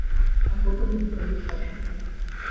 А потым дастаю пашпарт.